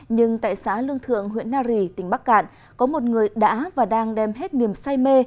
nhưng tại xã lương thượng huyện nari tỉnh bắc cạn có một người đã và đang đem hết niềm say mê